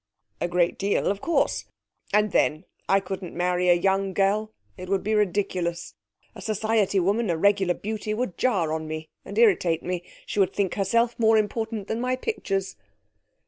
'A great deal, of course. And, then, I couldn't marry a young girl. It would be ridiculous. A society woman a regular beauty would jar on me and irritate me. She would think herself more important than my pictures.'